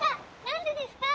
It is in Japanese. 何でですか？』。